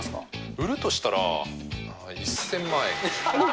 売るとしたら、１０００万円。